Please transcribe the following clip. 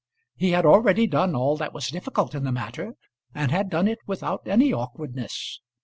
He had already done all that was difficult in the matter, and had done it without any awkwardness.